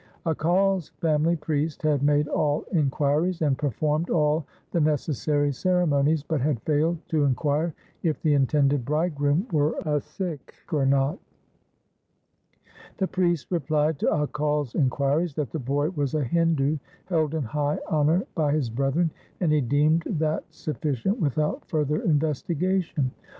Akal's family priest had made all in quiries and performed all the necessary ceremonies, but had failed to inquire if the intended bridegroom were a Sikh or not. The priest replied to Akal's inquiries that the boy was a Hindu held in high honour by his brethren ; and he deemed that sufficient without further investigation.